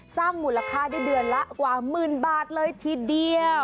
สร้างมูลค่าได้เดือนละกว่าหมื่นบาทเลยทีเดียว